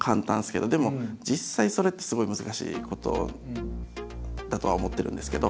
でも実際それってすごい難しいことだとは思ってるんですけど。